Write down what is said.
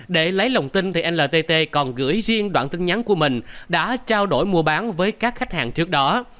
để lấy lòng tin ltt còn gửi riêng đoạn tin nhắn của mình đã trao đổi mua bán với các khách hàng trước đó